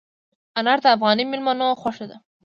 انار د افغاني مېلمنو خوښه ده.